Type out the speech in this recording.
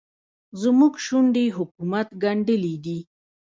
زموږ شونډې حکومت ګنډلې دي.